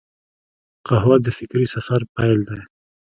قهوه د فکري سفر پیل دی